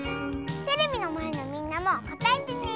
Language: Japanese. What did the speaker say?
テレビのまえのみんなもこたえてね！